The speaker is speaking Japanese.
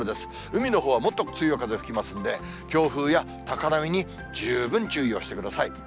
海のほうはもっと強い風吹きますので、強風や高波に十分注意をしてください。